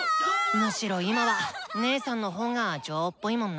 むしろ今は姐さんの方が女王っぽいもんな。